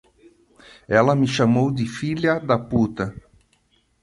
Ela me chamou de filha da puta.